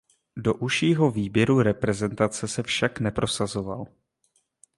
Do užšího výběru reprezentace se však neprosazoval.